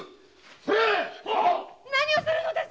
それッ！何をするのです！